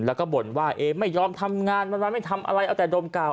แล้วก็บ่นว่าเอ๊ไม่ยอมทำงานวันไม่ทำอะไรเอาแต่ดมกาว